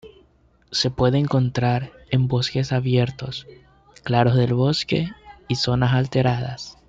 Se puede encontrar en bosques abiertos, claros del bosque y zonas alteradas.